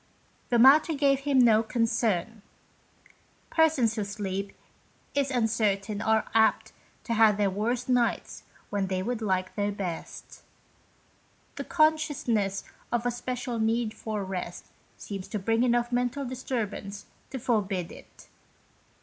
The matter gave him no concern. 22 BONE TO HIS BONE. Persons whose sleep is uncertain are apt to have their worst nights when they would like their best. The consciousness of a special need for rest seems to bring enough mental disturb ance to forbid it.